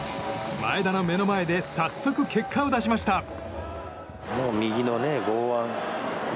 前田の目の前で早速、結果を出しました。